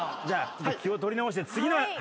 じゃあ気を取り直して次の。